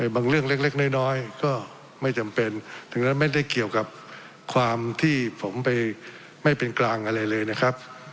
บางเรื่องเล็กน้อยก็ไม่จำเป็นถึงนั้นไม่ได้เกี่ยวกับความที่ผมไปไม่เป็นกลางอะไรเลยนะครับ